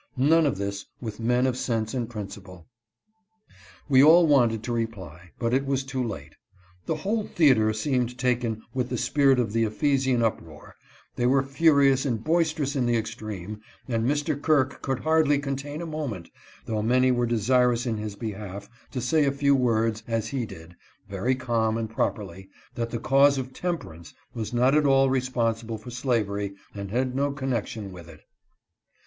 None of this with men of sense and principle. "We all wanted to reply, but it was too late. The whole theater seemed taken with the spirit of the Ephesian uproar; they were furious and boisterous in the extreme, and Mr. Kirk could hardly ob tain a moment, though many were desirous in his behalf, to say a few words as he did, very calm and properly, that the cause of temperance was not at all responsible for slavery, and had no connection with it."